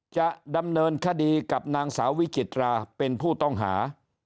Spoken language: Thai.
จะดำเนินคดีกับนางสาววิจิตราเป็นผู้ต้องหา